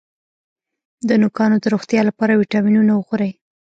د نوکانو د روغتیا لپاره ویټامینونه وخورئ